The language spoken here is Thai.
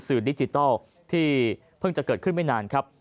ดิจิทัลที่เพิ่งจะเกิดขึ้นไม่นานครับ